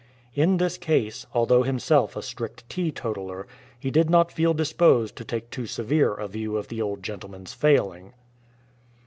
In this case, although himself a strict teetotaler, he did not feel disposed to take too severe a view of the old gentleman'*s failing.